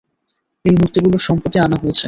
এই মূর্তিগুলোর সম্প্রতি আনা হয়েছে।